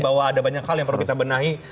bahwa ada banyak hal yang perlu kita benahi